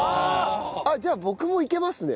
あっじゃあ僕もいけますね。